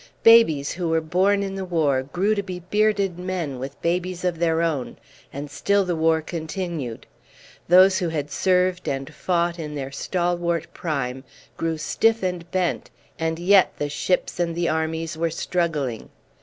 Babies who were born in the war grew to be bearded men with babies of their own, and still the war continued. Those who had served and fought in their stalwart prime grew stiff and bent, and yet the ships and the armies were struggling.